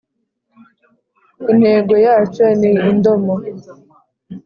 intego yacyo ni indomo,